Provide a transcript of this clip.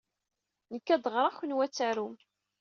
Nekk ad d-ɣreɣ, kenwi ad tarum.